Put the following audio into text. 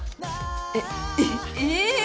えっええ！